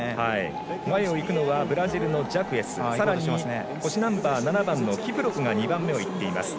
前を行くのはブラジルのジャクエスさらに腰ナンバー７番のキプロプが２番目をいっています。